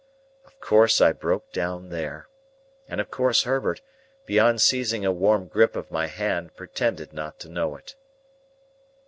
Of course I broke down there: and of course Herbert, beyond seizing a warm grip of my hand, pretended not to know it.